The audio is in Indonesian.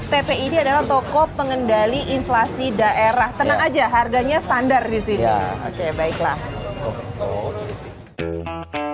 tpid adalah toko pengendali inflasi daerah